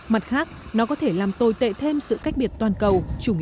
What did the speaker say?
mặt khác nó có thể làm tồi tệ thêm sự cách biệt toàn cầu